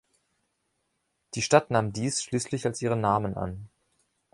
Die Stadt nahm dies schließlich als ihren Namen an.